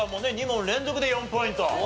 ２問連続で４ポイント。